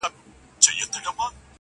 ته خبر یې د تودې خوني له خونده؟ -